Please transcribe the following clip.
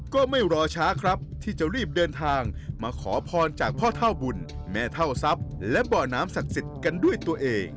ก็ไม่รอช้าครับที่จะรีบเดินทางมาขอพรจากพ่อเท่าบุญแม่เท่าทรัพย์และเบาะน้ำศักดิ์สิทธิ์กันด้วยตัวเอง